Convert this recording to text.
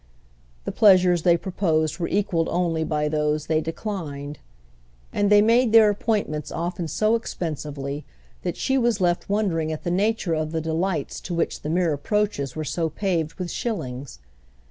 The pleasures they proposed were equalled only by those they declined, and they made their appointments often so expensively that she was left wondering at the nature of the delights to which the mere approaches were so paved with shillings.